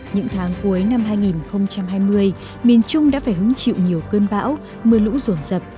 những tháng cuối năm hai nghìn hai mươi miền trung đã phải hứng chịu nhiều cơn bão mưa lũ rổn rập